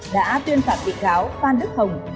đã tuyên phạm bị cáo phan đức hồng